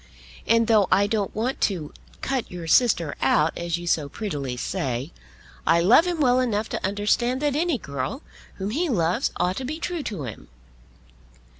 And, though I don't want to cut your sister out, as you so prettily say, I love him well enough to understand that any girl whom he loves ought to be true to him."